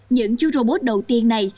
những chú robot đầu tiên này